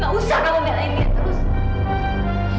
nggak usah kamu belain dia terus